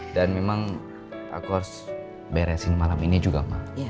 dan memang aku harus beresin malam ini juga ma